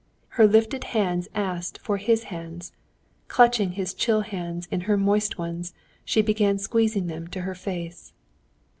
Her lifted hands asked for his hands. Clutching his chill hands in her moist ones, she began squeezing them to her face.